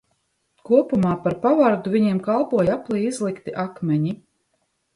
Kopumā par pavardu viņiem kalpoja aplī izlikti akmeņi.